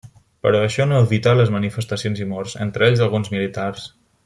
Però això no evità les manifestacions i morts, entre ells alguns militars.